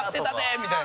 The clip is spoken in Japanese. みたいな。